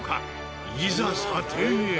いざ査定へ。